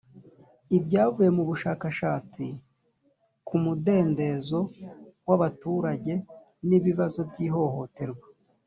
ibyavuye mu bushakashatsi ku mudendezo w’abaturage n’ibibazo by’ihohoterwa